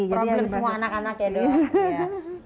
problem semua anak anak ya dok ya